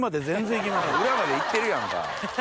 裏まで行ってるやんか。